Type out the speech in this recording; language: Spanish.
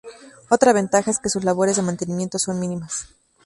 Otra ventaja es que sus labores de mantenimiento son mínimas.